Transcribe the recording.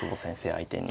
相手に。